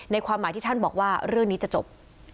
ความหมายที่ท่านบอกว่าเรื่องนี้จะจบ